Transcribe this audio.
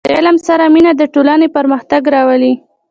• د علم سره مینه، د ټولنې پرمختګ راولي.